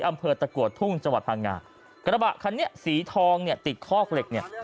อำเภอตะกัวทุ่งจังหวัดพังงากระบะคันนี้สีทองเนี่ยติดคอกเหล็กเนี่ย